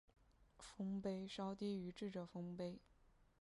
丰碑稍低于智者丰碑。